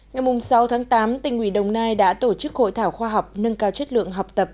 ngày sáu tháng tám tỉnh ủy đồng nai đã tổ chức hội thảo khoa học nâng cao chất lượng học tập